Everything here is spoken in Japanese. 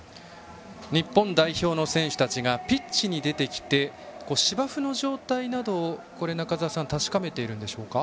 日本代表の選手たちがピッチに出てきて芝生の状態などを確かめているんでしょうか。